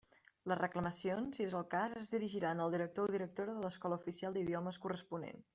Les reclamacions, si és el cas, es dirigiran al director o directora de l'escola oficial d'idiomes corresponent.